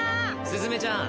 すずめちゃん。